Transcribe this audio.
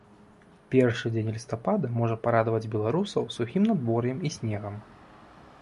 Першы дзень лістапада можа парадаваць беларусаў сухім надвор'ем і снегам.